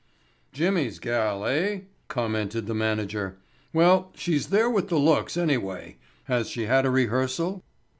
"Jimmy's gal, eh?" commented the manager. "Well, she's there with the looks anyway. Has she had a rehearsal?"